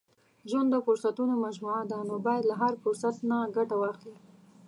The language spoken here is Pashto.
• ژوند د فرصتونو مجموعه ده، نو باید له هر فرصت نه ګټه واخلې.